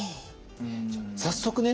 早速ね